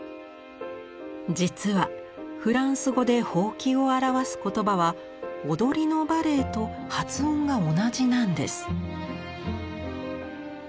実はフランス語で「ほうき」を表す言葉は踊りの「バレエ」と発音が同じなんです。